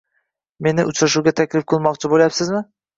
- Meni uchrashuvga taklif qilmoqchi bo'lyapsizmi?